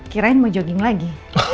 kirain mau jogging lagi